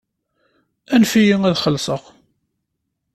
Anef-iyi ad xelṣeɣ.